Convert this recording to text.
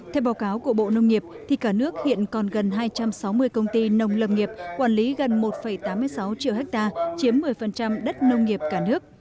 theo báo cáo của bộ nông nghiệp thì cả nước hiện còn gần hai trăm sáu mươi công ty nông lâm nghiệp quản lý gần một tám mươi sáu triệu ha chiếm một mươi đất nông nghiệp cả nước